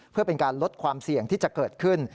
เพื่อเป็นการลดความเสี่ยงที่จะเกิดขึ้น